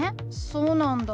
そうなんだ。